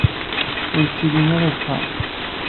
Ur tellim ara deg uxxam.